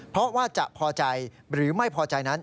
เพราะว่าจะพอใจหรือไม่พอใจนั้น